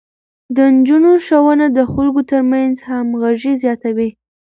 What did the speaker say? د نجونو ښوونه د خلکو ترمنځ همغږي زياتوي.